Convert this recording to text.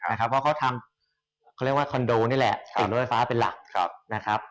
เพราะเขาทำคอนโดนี่แหละติดโรยฟ้าเป็นหลัก